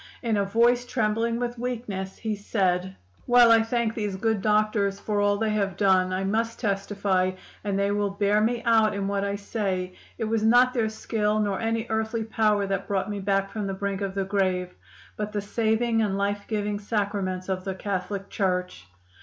In a voice trembling with weakness he said: "'While I thank these good doctors for all they have done, I must testify and they will bear me out in what I say it was not their skill nor any earthly power that brought me back from the brink of the grave, but the saving and life giving Sacraments of the Catholic Church.